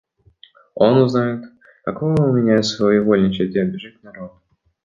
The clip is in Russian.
– Он узнает, каково у меня своевольничать и обижать народ.